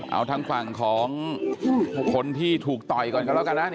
เอาทางฝั่งของคนที่ถูกต่อยก่อนกันแล้วกันนะ